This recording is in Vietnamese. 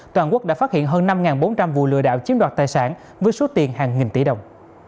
toàn quốc đã phát hiện hơn năm bốn trăm linh vụ lừa đảo chiếm đoạt tài sản với số tiền hàng nghìn tỷ đồng